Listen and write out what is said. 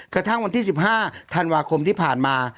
กระทั่งวันที่๑๕ธันวาคมที่ผ่านมา